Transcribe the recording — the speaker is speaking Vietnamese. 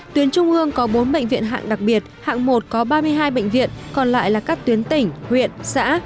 tuyến trung hương có bốn bệnh viện hạng đặc biệt hạng một có ba mươi hai bệnh viện còn lại là các tuyến tỉnh huyện xã